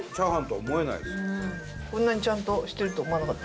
こんなにちゃんとしてるとは思わなかった。